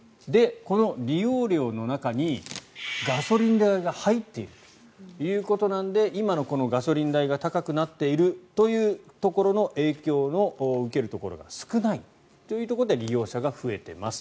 この利用料の中にガソリン代が入っているということなので今のガソリン代が高くなっているというところの影響を受けるところが少ないということで利用者が増えてます。